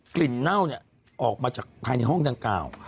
เน่าเนี่ยออกมาจากภายในห้องดังกล่าว